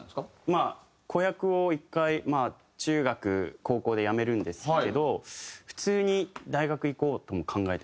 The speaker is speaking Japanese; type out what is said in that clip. まあ子役を１回中学高校で辞めるんですけど普通に大学行こうとも考えてました。